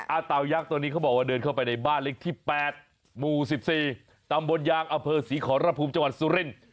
เต่ายักษ์ตัวนี้เขาบอกว่าเดินเข้าไปในบ้านเล็กที่๘หมู่๑๔ตำบลยางอเภอศรีขอรภูมิจังหวัดสุรินทร์